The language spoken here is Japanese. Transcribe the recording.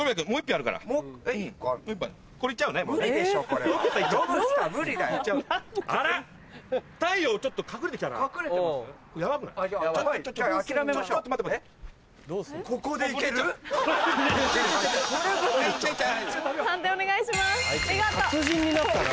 あいつ達人になったな。